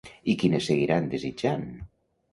I quines seguiran desitjant?